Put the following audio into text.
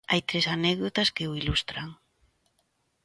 Hai tres anécdotas que o ilustran.